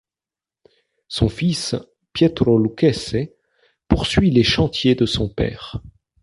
Son fils Pietro Lucchese poursuit les chantiers de son père.